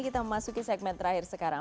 kita memasuki segmen terakhir sekarang